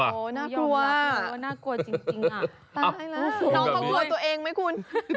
น่ากลัวจริงน้องเขากลัวตัวเองมั้ยคุณ